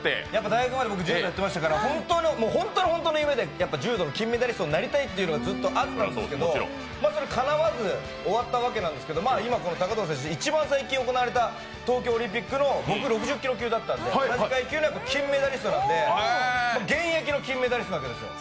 大学まで柔道やってましたから本当の本当の夢で柔道の金メダリストになりたいって夢がずっとあったんですけどそれは、かなわず終わったわけなんですけど、今、高藤選手、一番最近行われた東京オリンピック６０キロ級、僕、６０ｋｇ級だったので、金メダリストなので現役の金メダリストなんですよ。